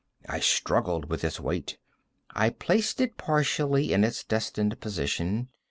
I struggled with its weight; I placed it partially in its destined position.